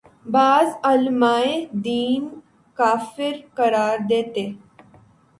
بعض علماے دین کافر قرار دیتے